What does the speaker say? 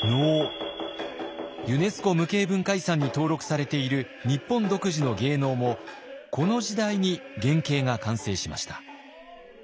ユネスコ無形文化遺産に登録されている日本独自の芸能もこの時代に原型が完成しました。